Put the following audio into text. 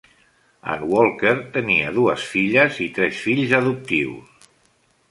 En Walker tenia dues filles i tres fills adoptius.